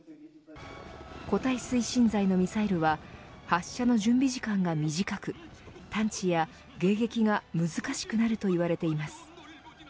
固体推進剤のミサイルは発射の準備時間が短く探知や迎撃が難しくなるといわれています